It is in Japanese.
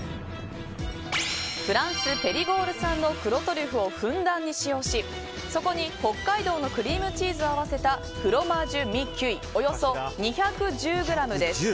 フランス・ペリゴール産の黒トリュフをふんだんに使用しそこに北海道のクリームチーズを合わせたフロマージュ・ミ・キュイおよそ２１０ｇです。